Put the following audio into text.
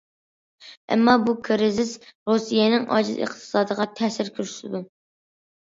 ئەمما بۇ كىرىزىس رۇسىيەنىڭ ئاجىز ئىقتىسادىغا تەسىر كۆرسىتىدۇ.